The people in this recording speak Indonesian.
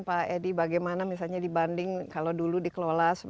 pak edi bagaimana misalnya dibanding kalau dulu dikelola